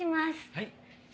はい。